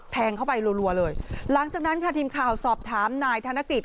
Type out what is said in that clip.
แทงเข้าไปรัวเลยหลังจากนั้นค่ะทีมข่าวสอบถามนายธนกฤษ